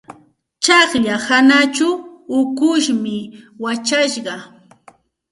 Tsaqlla hanachaw ukushmi wachashqa.